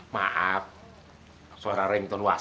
wah apaan itu